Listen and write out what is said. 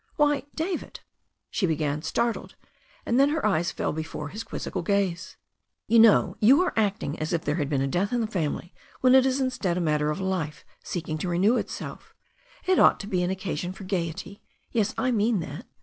"Why, David," she began, startled, and then her eyes fell before his quizzical gaze. "You know, you are acting as if there had been a death in the family, when it is instead a matter of life seeking to renew itself. It ought to be an occasion for gaiety. Yes, I mean that.